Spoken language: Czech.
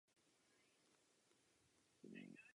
Pomocný pohonný systém pohání dva lodní šrouby.